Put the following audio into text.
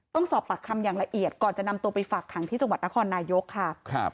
ต้องสอบปากคำอย่างละเอียดก่อนจะนำตัวไปฝากขังที่จังหวัดนครนายกค่ะ